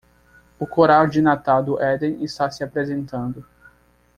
O Coral de Natal do Éden está se apresentando.